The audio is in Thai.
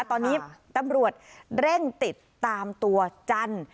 ตอนนี้ตำรวจเร่งติดตามตัวจันทร์